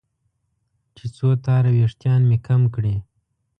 چې څو تاره وېښتان مې کم کړي.